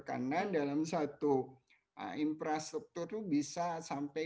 karena dalam satu infrastruktur itu bisa sampai dua belas